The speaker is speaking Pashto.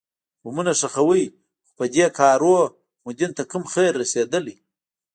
بمونه ښخوئ خو په دو کارونو مو دين ته کوم خير رسېدلى.